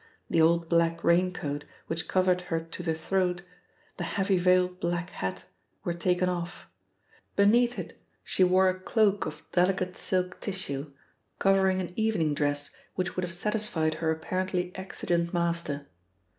The old black raincoat which covered her to the throat, the heavy veiled black hat, were taken off. Beneath it she wore a cloak of delicate silk tissue, covering an evening dress which would have satisfied her apparently exigent master.